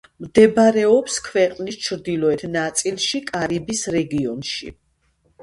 მდებარეობს ქვეყნის ჩრდილოეთ ნაწილში, კარიბის რეგიონში.